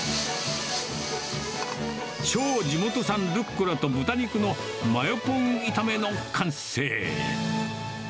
超地元産ルッコラと豚肉のマヨポン炒めの完成。